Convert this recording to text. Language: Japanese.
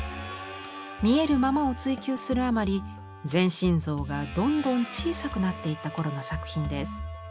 「見えるまま」を追求するあまり全身像がどんどん小さくなっていった頃の作品です。